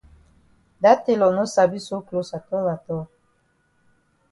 Dat tailor no sabi sew closs atol atol.